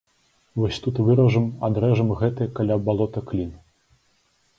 Вось тут выражам, адрэжам гэты каля балота клін.